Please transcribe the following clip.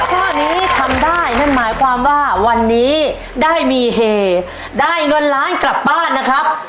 ข้อนี้ทำได้นั่นหมายความว่าวันนี้ได้มีเฮได้เงินล้านกลับบ้านนะครับ